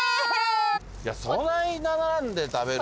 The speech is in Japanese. そない並んで食べる。